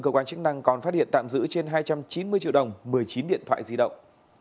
cơ quan chức năng còn phát hiện tạm giữ trên hai trăm chín mươi triệu đồng một mươi chín điện thoại di động